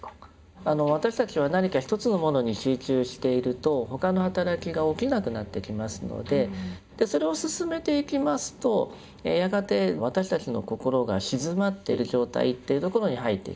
私たちは何か一つのものに集中していると他の働きが起きなくなってきますのでそれを進めていきますとやがて私たちの心が静まってる状態っていうところに入っていきます。